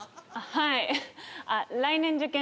はい。